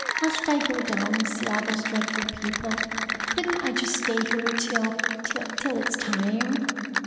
"Must I go down and see all those dreadful people? Couldn't I just stay here till—till—till it's time?"